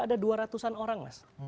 ada dua ratusan orang